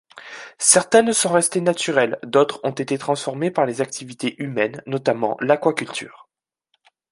Certaines sont restées naturelles, d'autres ont été transformées par les activités humaines notamment l'aquaculture.